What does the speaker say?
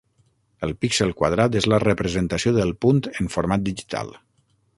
El píxel quadrat és la representació del punt en format digital.